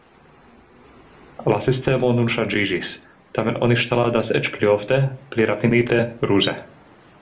La sistemo nun ŝanĝiĝis, tamen oni ŝteladas eĉ pli ofte, pli rafinite, ruze.